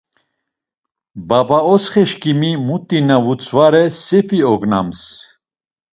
Babaotsxeşǩimi muti na vutzvare sefi ognams.